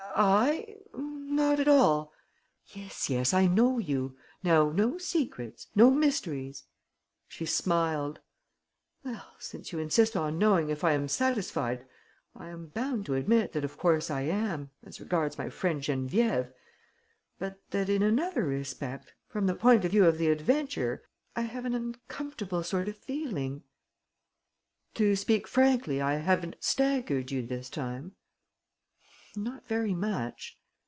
"I? Not at all!" "Yes, yes, I know you. Now, no secrets, no mysteries!" She smiled: "Well, since you insist on knowing if I am satisfied, I am bound to admit that of course I am ... as regards my friend Geneviève, but that, in another respect from the point of view of the adventure I have an uncomfortable sort of feeling...." "To speak frankly, I haven't 'staggered' you this time?" "Not very much."